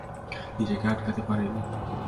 নিজেকে আটকাতে পারিনা।